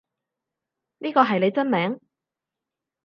呢個係你真名？